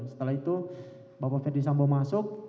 setelah itu bapak ferdis sambo masuk